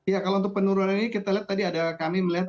ya kalau untuk penurunan ini kita lihat tadi ada kami melihat